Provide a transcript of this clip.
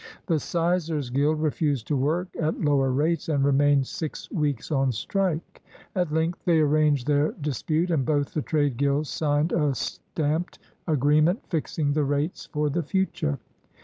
The sizers' guild refused to work at lower rates and remained six weeks on strike. At length they arranged their dis pute, and both the trade guilds signed a stamped agree 194 WHAT IS CASTE? ment fixing the rates for the future.